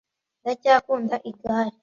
ndacyakunda igare